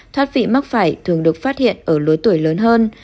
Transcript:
thoát vị mắc phải thường được phát hiện ở lứa tuổi lớn hơn